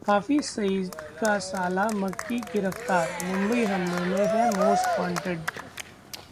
हाफिज सईद का साला मक्की गिरफ्तार, मुंबई हमले में है मोस्ट वांटेड